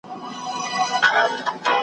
بې ساري کار وکړ